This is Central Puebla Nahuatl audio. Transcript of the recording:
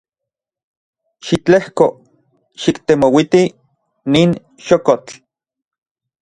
Xitlejko xiktemouiti nin xokotl.